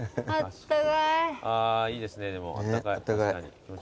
あいいですねでもあったかい確かに。